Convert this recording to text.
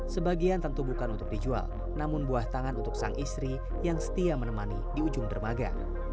sebagian tentu bukan untuk dijual namun buah tangan untuk sang istri yang setia menemani di ujung dermaga